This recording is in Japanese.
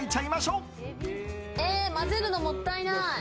混ぜるのもったいない！